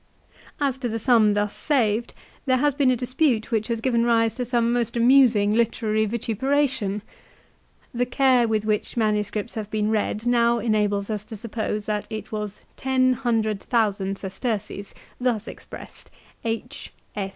As to the sum thus saved, there has been a dispute which has given rise to some most amusing literary vituperation. The care with which MSS. have been read now enables us 1 Ad Div. lib.ii. 15. s Ad Att. lib. vii. 1. CILICIA. 125 to suppose that it was ten hundred thousand sesterces, thus expressed, " H.